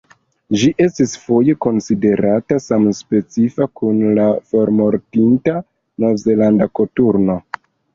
Ĝi estis foje konsiderata samspecifa kun la formortinta Novzelanda koturno.